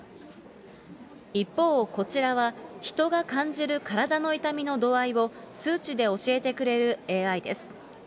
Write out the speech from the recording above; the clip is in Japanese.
一方、こちらは人が感じる体の痛みの度合いを数値で教えてくれるＡＩです。